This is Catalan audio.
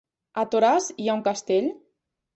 A Toràs hi ha un castell?